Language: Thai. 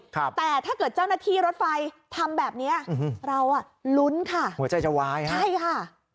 แต่ถ้าเกิดเจ้าหน้าที่รถไฟทำแบบเนี้ยอืมเราอ่ะลุ้นค่ะหัวใจจะวายฮะใช่ค่ะ